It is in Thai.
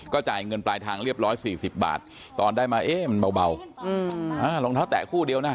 จ่ายเงินปลายทางเรียบร้อย๔๐บาทตอนได้มาเอ๊ะมันเบารองเท้าแตะคู่เดียวนะ